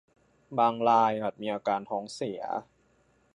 บางรายอาจมีอาการท้องเสีย